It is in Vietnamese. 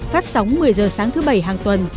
phát sóng một mươi h sáng thứ bảy hàng tuần